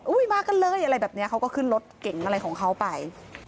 อุ้ยมากันเลยแบบนี้เขาก็ขึ้นรถเก่งอ้ายของเขาไป